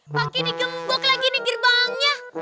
pak ini gembok lagi nih gerbangnya